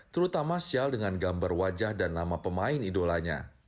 terutama syal dengan gambar wajah dan nama pemain idolanya